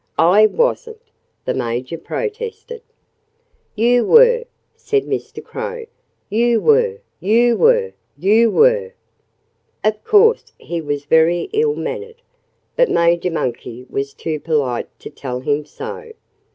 "I wasn't!" the Major protested. "You were!" said Mr. Crow. "You were! You were! You were!" Of course he was very ill mannered. But Major Monkey was too polite to tell him so.